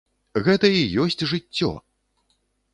Гэта і ёсць жыццё!